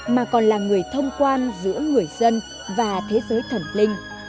mà còn là người thông quan giữa người dân và thế giới thần linh